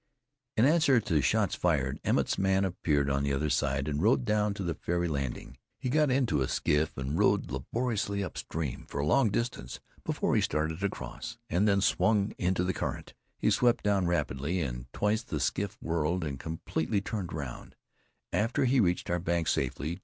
In answer to shots fired, Emmett's man appeared on the other side, and rode down to the ferry landing. Here he got into a skiff, and rowed laboriously upstream for a long distance before he started across, and then swung into the current. He swept down rapidly, and twice the skiff whirled, and completely turned round; but he reached our bank safely.